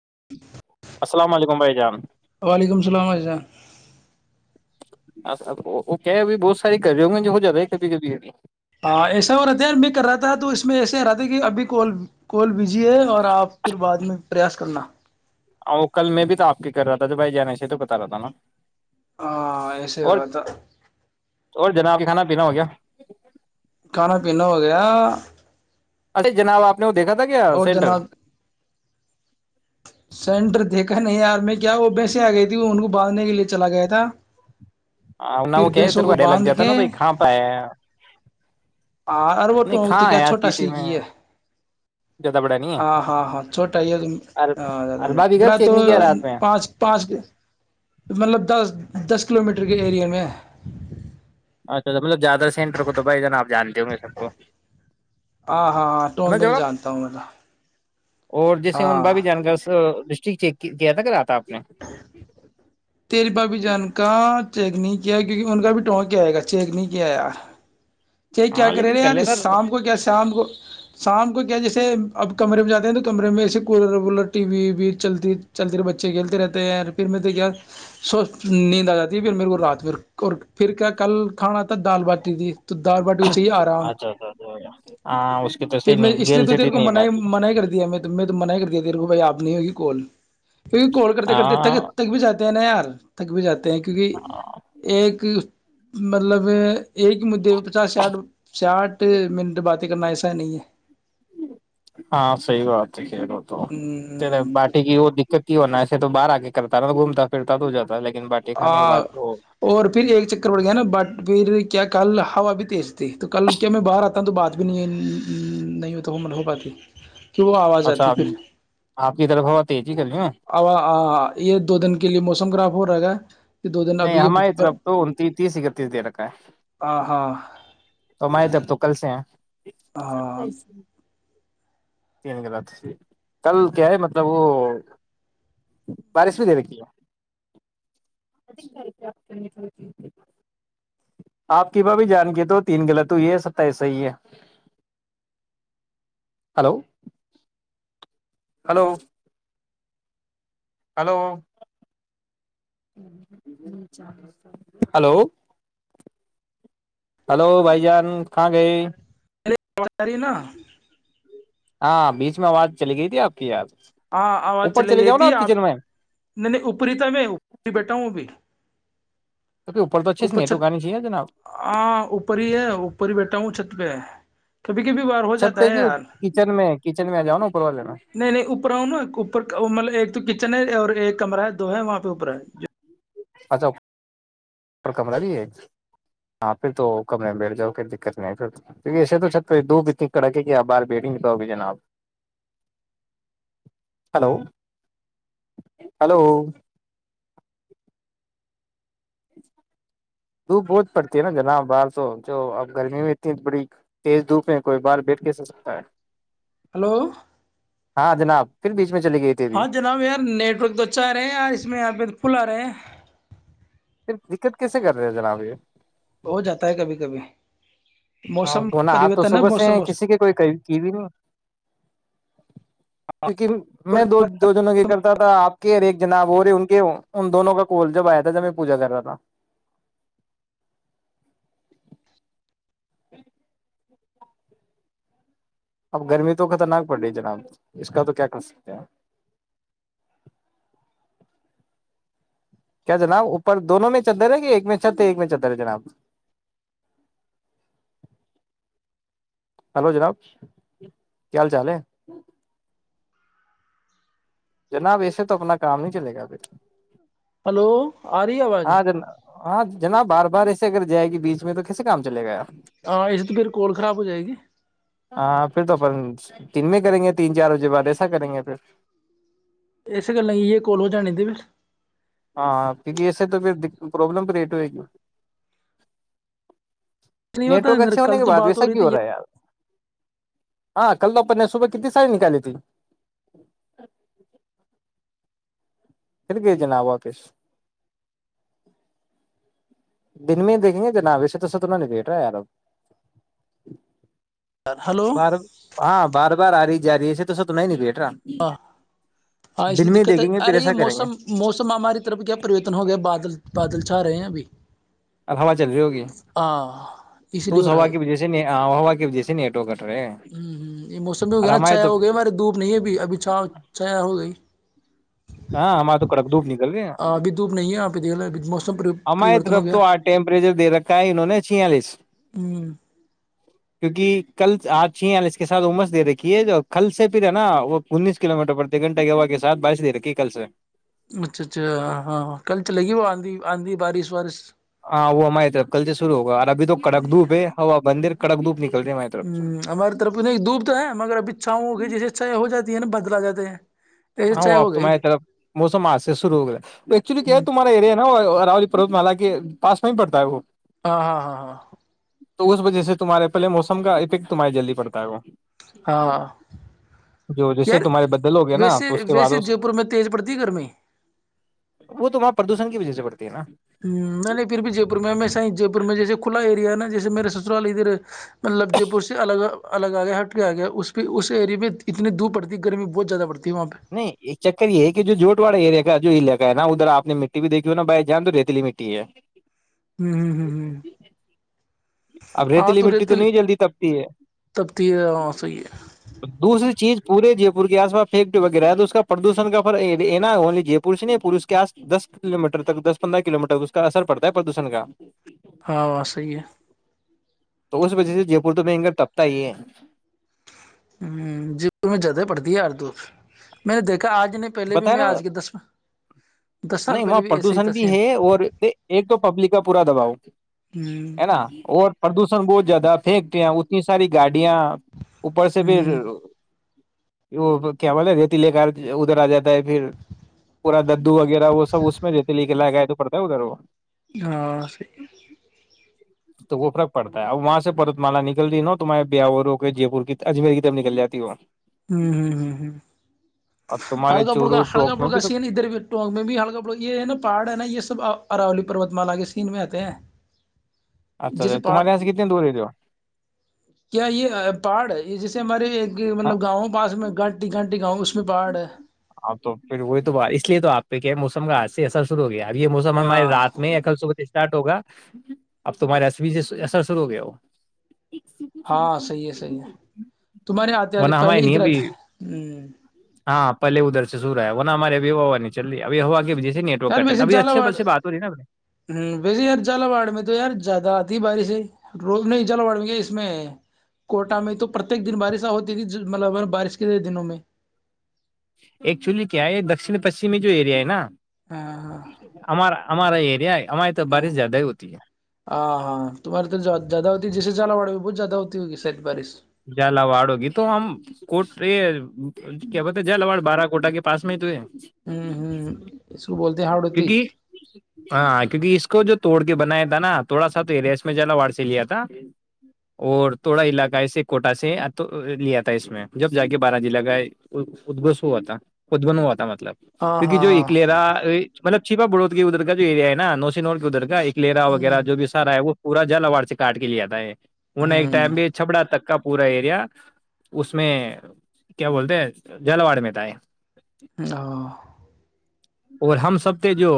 [inaudible] السلام علیکم بھائی جان وعلیکم السلام حزاں وہ کہ ہے ابھی بہت ساری کر رہے ہوں گے جو ہو جیا رہا ہے کبھی کبھی ابھی رہ رہا تھا کہ ابھی کو کول بھی بھیجیے اور آپ پھر بعد میں پریاس کر کنا وہ کل میں بھی تو آپ کے کر رہا تھا جو بھائی جانا سےاہ تو بتا رہا تھا نا ہاں ایسے ہی ہو اور رہا تھا اور جناب کھانا پینا ہو گیا کھانا پینینا ہو گیا ارے جناب آپ دیکھا تھا کیا اور سینٹر جناب سینٹر دیکھا نہیں یار میں کیا وہ ویسے آ گئی تھی وہ ان کو باندھنے کے لیے چلا گیا تھا نہ وہ پھر کیا ہے بھینسوں تیرے کو ڈر لگ باندھ جاتا نا کے بھائی کہاں پہ آیا ہے؟ ار وہٹ نہیں تو کہاں کیا آیا چھوٹا س سٹی میں کی ہے زیادہ بڑا نہیں ہ ہاں ہاں چھوٹا ہی ہے ہاں زد م اربا بھی گھر اڑا چیک تو نہیں کیا رات میں پانچ پانچ مطلب دس دس کلو میٹر کے اریے میں اچھاچ مطلبیادہ سینٹر کو تو بائی آپ جانے د نہیں سکو ہاں ہاں ہاں ٹونک میں تو جانتا ہوں ما اور جیسے ہ باہ بھی جان گس لسٹ چیک کیا تھا کہ رہات تھا آپ نے تری بھابھی جان کا چیک نہیں کیا کیونکہ ان کا بھی ٹونک کیا آئے گا چیک نہیں کیا ار چ کیا ہاں کرے لیکن رہے کر یار لیتا شام کو کیا شام کو شام کو کیا جیسے اب کمرے میں جاتے ہیں تو کمرے میں ایسے کولر ولر ٹی ویی چل چلتی رہ بچے کھیلتے رہتے ہیں پھر میں سے کیا سو نیند آ جاتی ہے پھر میرے کو رات میں اور پھر کیا کل کھانا تھا دال باٹیتی تھی تو دال باٹی کو چاہیے آرام اچھا اچھا اچا ہاں اس کے تو پھر صحی میں نہیں اس لیے گیل تو چٹی تیرے کو منع نہیںتی منع کر دیا میں میں تو من ہی کر دیا تیرے کوو بھائی آ نہیں ہوگی کوال کیونکہ کال کرتے کرتے تک تک بھی جاتے ہیں نا یار تک بھی جاتا ہیں کیونکہ ایک مطلب ایک سٹ ساٹھ منٹ بات ل کنا ایسا ہی نہیں ہے ہاں صحی بات ہے تو ہ بٹے کی دقت کی ن تو باہر آ کے کرتا نا تو گھومتا پھرتا تو جاتا ہے لیکن باٹی آ کھانے کے بعد وہ اور پھر ایک چکر پڑ گیا نا بٹ پھر کیا کل ہوا بھی تیز تھی تو کل کیا میں باہر آتا ہوں تو بات بھی نہیں نہیں ہوتا وہمن ہو پاتی کہ وہ آواز اچھا آپ کی طرف ہو ت ا یہ دو دن کے لیے موسم گرب [inaudible] نہیں ہماری طرف تو ان تیس اکتیس دے رکھا ہے ہاں ہاں تو ہماری طرف تو کل سے ہیں [inaudible] تینات کل کیا ہے مطلب وہ بارش بھی دیر کی ہے آپ کی ب بھی جان کے تو تین غلط ہو یہ ہے س ایسا ہی ہے ہلو [inaudible] ہلو ہلو ہلو بھائی جان کہاں گئے اری نا ہاں بیچ میں آواز چلی گئی تھی آپ کی یاد ہاں آواز چلی گئی تھی آپ نہیں نہیں اوپری تھا میں اوپری بیٹھا ہوں ابھی کیونکہ تو [inaudible] اچھے سے اوپر نیٹ چھت اگانی چاہیے جناب ہاں اوپر ہی ہے اوپر ہی بیٹھا ہوں چھت پہ کبھی کبھی بار ہو چھت جاتا پہ ہے کیوں یار کچن میں کچن میں آ جاؤ نا اوپر والے میں نہیں نہیں اوپر آؤں نا اوپر مطلب ایک تو ک چینائی اور ایک کمرہ ہے دو ہے وہاں پہ اوپر ہے جو اچھا کمرہ بھی ہے ہاں پھر تو کمرے میں بیٹھ جاؤ دقت نہیں پھر کی ایسے تو دھوپ اتنی کڑک ہے کہ باہر بیٹیں توؤگ جناب ہلو ہلو دھوپ بہت پڑتی ہے نا جناب باہر تو جو اب گرمی میں اتنی بڑی تیز دھوپ ہے کوئی باہار بیٹھ کے س سکتا ہے ہلو ہاں جناب پھر بھی ہاں جناب یار نیٹ ورک تو اچھا آ رہا ہے یار اس میں یہاں پہ فل آ رہے ہے پھر دقت کیسے کر رہے ہیں جناب یہ ہو جاتا ہے کبھی کبھی ہاں موسم بنا آپ تو پریورتن ہے صبح سے موسم کسی کے کوئی کیئی نہیں کیونکہ میں دو موسم دو جنوں یہ کرتا تھا آپ کے اور ایک جناب ہو رہے ان کے ان دونوں کا کول جب آیا تھا جب میں پوجا کر رہا تھا ج اب گرمی تو خطرناک پڑ رہی ہے جناب اس کا تو کیا کر سکتے ہیں کیا جناب اوپر دونوں میں چدر رہ ہے کہ ایک میں چت ایک میں چدر ہے جناب ہلو جناب کیا حال چال ہے جناب ایسے تو اپنا کام نہیں چلے گا پھر ہلو آ رہی آواز ہاں جناب ہاں جناب بار بار ایسے اگر جائے گی بیچ میں تو کیسے کام چلے گا ہاں اسے تو میری کوول خراب ہو جائے گی ہاں پھر تو اپن دن میں کریں گے تین چار بجے بعد ایسا کریں گے پھر اس گلے کی یہ کول ہو جان د پھر ہاں کیکہ اسے تو پھر پروابلم کریٹ ہوئے گی نہیں نیٹ ہوتا ورک ہے، اچھے ہونے کل کے تو بعد بات ویسا رہی کی ہو تھی رہا ہے یار ہاں کل دوپر نے صبح کت ساڑی نکاللی ت فھر گ جناا ابکش دن میں ہی دیکھیں گے جنا ویسے تو ستنا نہیں دیکھ رہا یار اب یار۔ ہلو بار ہاں بار بار آ رہ جاری ہےے تو س تو نہیںیٹ ہاں ہاں اس تو میں دقت ہے دیکھیں گے پھر ارے یہ ایسا کریں گے موسم موسم ہماری طرف کیا پرریوتن ہو گیا بادل بادل چھا رہے ہیں ابھی اب ہوا چل رہی ہوگی ہاں اسی تو لیے اس ہو رہا ہوا کی وجہ سے نے آب و ہوا کی وجہ سےیٹو کر ہوں ہ یہ موسم بھی ہو گیا نا چھایا تو ہو گئی ہمارے دھوپ نہیں ابھی ابھی چھا چھایا ہو گئی ہاں ہمارے تو کڑک دھوپ نکل گئے ابھی دھوپ نہیں ہے یہاں پہ دیکھ لو ابھی موسم ہماری پریورتن طرف ہو گیا تو آ ٹیمپریچر دے رکھا ہے انہوں نے چھیالیس ہ کیونکہ کل آج چھی اس کے ساتھ عمس دے رکھی ہے جو کل سے پھر ہے نا وہ انیس کلو میٹر پر گھٹہ گ ہوا کے سھ بارش دے رکھی ہے کیلس رہے اچھا اچھا ہاں کل چلے گی وہ آندھی آندھی بارش وارش ہاں وہ ہماری طرف کل سے شرو ہوگا اور ابھی تو کڑک دھوپ ہے ہوا بندر کک دپ ل ہ ہماریےرف تو نہیں ڈوبتا ہے مگر اب ا چاؤوں کی جیے اچھایا ہو جاتی ن بدلا جاتتے ہیں ایسے ہاں وہ چائے ہو آپ گئی میں موسم آ سے سرو ہو گ ایکچولی کیا ہے تمارا ایریا نا راولی پروت ملا کے پاس میں پڑتا ہے وہ ہاں ہاں ہاں ہاں تو اس وجہ سے تمہارے پہلے موسم کا افیکٹ تمہارے جلدی پڑتا ہے وہ ہاں ہاں جو جیسے یار تمہارے بدل ہو گیا نا ویسے اس کے بعد ویسے جے پور میں تیز پڑتی گرمی پردوش کی وجہ سےڑتا نہیں نہیں پھر بھی جے پور میں ص جے پور میں جیسے کھلا ایریا نا جیسے میر سسرال ادھر مطلب جے پور سے الگ الگ آ گیا ہٹ کے آ گیا اس پہ اس ایریے میں اتنیور پڑتی گرمی بہت زیادہ پڑتی ہے وہاں پہ نہیں ایک چکر یہ ہے کہ جو جوٹ والڑا ایریا جو لا ہے نا ادھر آپ مٹی بھی دیکھی ہو نا بائی جان تو ریتیلی مٹی ہے ہمم ہمم ہمم ہمم اب ریتیلی مٹی تو نہیں جلدی تپتی ہے تبتی ہے ہاں صحیح ہے دوسری چیز پورے جے پور کے آس پاس فیکٹ وغیرہ ہے تو اس کا پردشن کا فر نا اونلی جے پور سے نہیں پورے اس کے آس دس کلو میٹر تک دس پندرہ کلو میٹر اس کا اثر پڑتا ہے پردوشن کا ہاں صحیح ہے تو اس وجہ سے جے پور تو ب گ تبتا ہی ہے ہمم جی جدہ پڑتی ار د میں نے دیکھ بتایا نا دس سال نہیں پہلے وہاں بھی ایسے ہی پردوشن بھی تسین ہے اور ایک تو پبلک کا پورا دباؤ ہ ہے نا اور پردشن بہت زیادہ پھینکتے ہیں ات ساری گای گڈیاں اوپر سے بھی ہ وہ کیا بولے ریتی لے کر [inaudible] پھر پورا ددو وغیرہ وہ سب اس میں دیتے لکھلا گ [inaudible] ہاں صحیح ہے تو وہ فرق پڑتا ہے اب وہاں سے پرت مالا نکل رہ ہے نا تمہارے بیاور ہو کے جے پور کی اجمیر کی طب نکل جاتی وہ ہمم ہمم ہمم ہمم اور تمہارے ہلکا بڑا چورو ہلڑکا ٹوک میں بڑکا بھی تو سی ہے نا ادھر بھی ٹگ میں بھی ہلکا بڑکا یہ نا پا ہے ن یہ سب اراولی پروتمالا کے سین میں آتے ہیں اچھا جیسے اچھ پہاڑ تہیس [inaudible] کیا یہ پہاڑ ہے یہ جیے ہمارے ہاں مطلب گاؤں پاس میں گانٹی گانٹی گاؤں اس [inaudible] ہاں تو پھر وہی تو اس لیے تو آپ پہ کیا موسم کا سے اثر شرو ہو گیا اب یہ موسم ہمارے رات میں کل صبح اسارٹ ہوگا اب تمہارے ایس بی سے اسر شرو ہو گیا ہو ہاں صحیح ہے صحی ہے تمہارے آتے آتے ورنہ پہلے ہمارے نہیں ادھر آتے ابھی ہ ہاں پہے ادھر سے سو رہ ہے وہ ن ہماری اب و ہوا نہیں چ رہی ابھی ہو کی سے نیٹ ورک یار کٹ رہا ہے. ویسے ابھی اچھے جالاواڑ بل سے بات ہو رہی ہے نا ہ ویسے یار جالاواڑ میں تو یار زیادہ آتی بارش روز نہیں جل بڑ گے اس میں کوٹا میں تو پرتیک دن بارش ہوتی تھی مطلب بارش کے دنوں میں ایکچولی کیا ہے یہ دکن پشچمی جو ایریا ہے نا ہاں ہاں ہمارا ہمارا ایریا ہے ہماری تو ہمم بارش زیادہ ہی ہوتی ہے ہاں تمہارے تو زیادہ جیسے جا ہو بہت زیادہ ہوتی ہوگ سید بارش جلاواڑ ہو گی تو ہم کوٹ کیا بولتے جلاواڑ بارہ کوٹا کے پاس میں ہی تو ہے ہوں ہوں اس کو بولتے ہیں ہاڑوتی کیونکہ ہاں کیونکہ اس کو جو توڑ کے بنایا تھ تھا نا تھوڑا سا تو ایریا اس میں جا واڑ سے لیا تھا اور تھوڑا علاقہ ہےے کوٹا سے لیا تھا اس میں جب جا کے بارہ جضلع کا ادگوش ہوا تھا ادگن ہوا تھا مب مطلب ہاں کیونکہ جو ہاں اکلیرا مطلب چپا بڑوود کے ادھر کا جو ایریا ہے نو نور کے ادھر کا ایک لرا ہاں وغیرہ جو بھی سارا ہے وہ پورا جل اوار سے کاٹ کے لیاتا ہے ہونا ایک ہوں ٹائم بھی چھپڑا تک کا پورا ایریا اس میں کیا بولتے ہیں جلواڑ میںتا ہے ا اور ہم سب تھے جو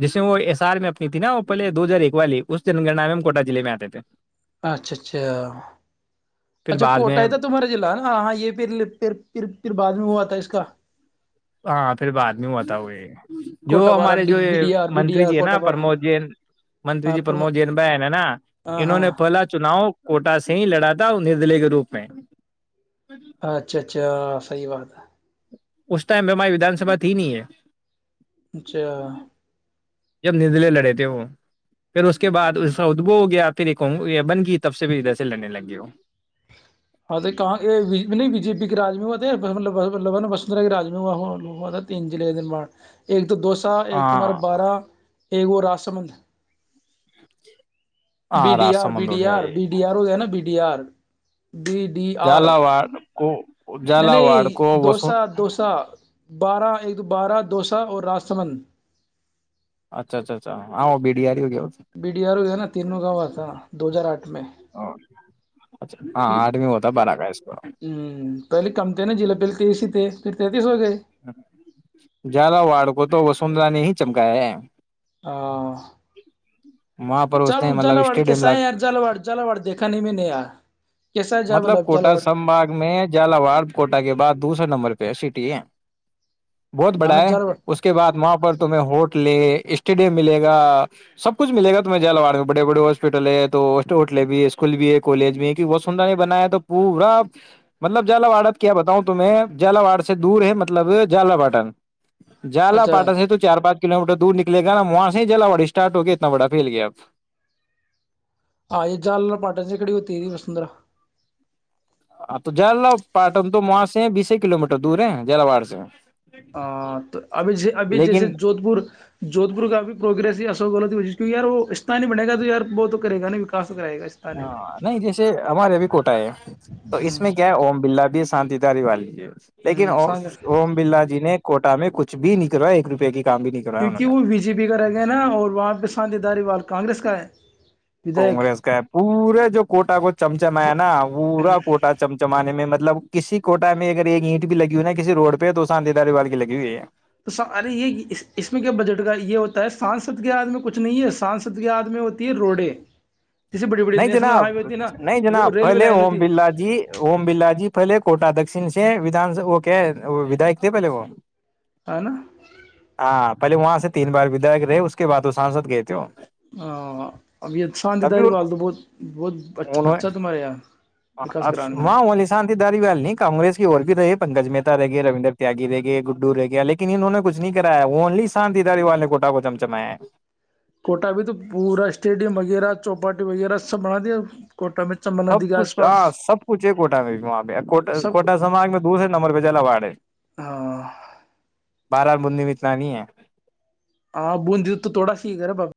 جیسے وہ ایس آر میں اپنی تھی نا وہ پہلے دو ہزار ایک والی اس جن گننا میں ہم کوٹا ضعے میں آتے تھے اچھا اچھا پھر اچھا بعد کوٹا میں ہے تھا تمہارا ضلع نا ہاں یہ پھر پ پھر پھر بعد ش ہوا تھا اس کا ہاں پھر بعد میں ہوتا ہوئے [unintelligible] جو کوٹا بارہ ہمارے جو یہ B D are B D منتری آر جی ہے نا کوٹا پرمود بارہ جین منتری ہاں جی پرمود جین بہن ہے نا ہاں انہوں نے ہاں پہلا چناؤ کوٹا سے ہی لڑا تھا نردلے کے روپ میں [unintelligible] اچھا اچھا صحیح بات ہے [unintelligible] اس ٹائم پہ ہماری ودان سبھا تھی نہیں ہے اچھا جب ندلے لڑے تھے وہ پھر اس کے بعد ادبو ہو گیا پھر ایکگ بن گی تب سے بھیھر ادھر سے لڑنے لگ گئے ہو ہاں تو نہیں بی جے پی کے رج میں ہوا تھا نا وسندھرا کے رج میں ہوا تھا تینلع دن ب ایک تو دو سا ایک تمہارا ہاں بارہ [unintelligible] ایگو راسمند [unintelligible] بی ہاں ڈی آر بی راسامند ہو ڈی گیا آر یہ بی ڈی آر ہو ہے نا بی بیار [unintelligible] بیی ڈی آر جالا [unintelligible] واڑ کو [unintelligible] نہیں نہیں واڑ کو دو وسون سا دو سا بارہ ایک [unintelligible] بارہ دوسا اور راسمند اچھا اچھا اچھااں بڈیاری بڈیارو ہے نا تینوں گاو تھا دو ہزار آٹھ میں اچھا ہاں ہ آٹھویں ہوتا بارہ کا اس کو پہلے کم تھے نا جل پیل تی دیش پ [unintelligible] جا وڑ کوو تو وسندر نے ہی [unintelligible] چمکایا [unintelligible] ہاں وہاں پر ج اس نے مطلب جلاوڑ اسٹیڈیم کیسا لا ہے یار جالوڑ جالوڑ دیکھا نہیں میں نے یار کیسا ہے مطلب جالب کوٹا جالواڑ سمباگ میں جالاواڑ کوٹا کے بعد دوسر نمبر پہ ہے س ٹیا [unintelligible] بہت ہاں بڑا نا ہے جالواڑ اس کے بعد وہاں پر تمہیں ہوٹ اسٹیڈیم ملےا سب کچھ ملے گ تمہیں جالواڑ میں بڑے بڑے ہاسپٹل ہے تو ہوٹلے بھی ہے اسکول بھی ہے کالج بھی ہے ب س بنایا تو پورا مطلب جالاواڑ کیا بتاؤں تو میں جالاواڑ سے دور ہے مطلب جال باٹن جالا اچھا پاٹا سے تو چار پانچ کلو میٹر دور نکلے گا نا وہاں سے جلاواڑی اسٹارٹ ہو گیا اتنا بڑا پھیل گیا اب آ یہ جال پاٹا سے کڑی ہوتیری وسندرا [unintelligible] ہاں تو ج پاٹن تو وہاں سے ہیں بیس کلو میٹر دور ہے جلاواڑ سے ہاں تو ابھی ابھی لیکن جیسے جودھ پور [unintelligible] جودھپور کای پروگریس ہے اشوک گہلت و کی یار وہ استتاہ نہیں بنے گا تو ی بہ تو کرے گا وکس ہاں نہیں جیسے ہمارے ربھی کوٹا ہے تو ہ اس میں کیا ہے اوم برلا کا بی شانتداری والی ہے لیکن ا سان اوم برلا جی نے کوٹا میں کچھ بھی نک رہا ہے ایک روپئے کی کام بھی نہیں کروایا کیونک انہوں نے وہ بی جے پی کا رہ گیا نا اور وہاں پہ شانتی داری وال کانریس کا ک [unintelligible] کگریس کا ہے پورے جو کوٹا کو چمچمایا نا پورا کوٹا چمچمانے میں مطلب کسی کوٹا میں اگر یہ اینٹ بھی لگی ہوئی نا کسی روڈ پہ تو شان داری والال کی لگ ہوئی ہے تو ارے یہ اس میں کیا بجٹ کا یہ ہوتا ہے سانسد کے آدمی میں کچھ نہیں ہے سانسد کے آد میں ہوتی ہے روڈیں جیسے بڑی بڑی نہیں نیشنل جناب ہائی وے ہوتی ہے نا نہیں جناب ریلوے پھلے لائن ام ہوتی برلا ہے جی ام برلا جی فھلے کوٹا دک سےدان وہ کیاداک تھے پہلے وہ ہے نا ہاں پہلے وہاں سے تین بار وداک رہے اس کے بد وہ سانسد گئے تھ ہو ہاں اب یہ شانتداری وال تو بہت بہت انوں اچھا تمہارے یہاں وکاس اب کران میں وہاں وہلی شانتی داری والل نہیں کانگریس کی اور بھی تو یہ پنکج مہتا رہ گیا روینندر تیاگی رہ گئے گڈو رہ گیا لیکن انہوں نے کچھ نہیں کرایا وہ اونلی شانداریوال نے کوٹا کو چم چمیا ہے کوٹا بھی تو پورا اسٹیڈیم وغیرہ چوپاٹی وغیرہ سب بنا دیا کوٹہ میں چمبل سب ندی کے آس کچھ پاس ہاں سب کچھ ہے کوٹہ میں وہاں پہ کو سب کوٹہ سماج میں دوسرے نمبر پہ جلاواڑ ہے ہاں بارہار بندی میں اتنا نہیں ہے ہاں بند د تو تھوڑا س ہی ہےا باابا